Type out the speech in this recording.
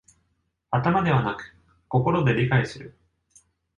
頭ではなく心で理解する